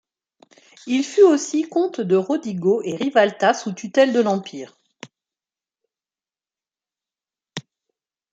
Il fut aussi comte de Rodigo et Rivalta sous tutelle de l'Empire.